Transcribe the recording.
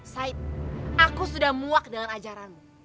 said aku sudah muak dalam ajaranmu